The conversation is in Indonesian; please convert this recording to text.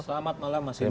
selamat malam mas indra